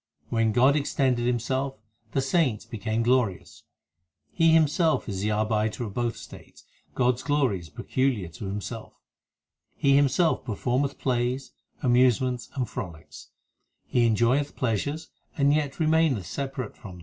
When God extended Himself, the saints became glorious ; He Himself is the arbiter of both states ; 2 God s glory is peculiar to Himself ; He Himself performeth plays, amusements, and frolics ; He enjoyeth pleasures and yet remaineth separate from them ; 1 When He draweth creation within Himself.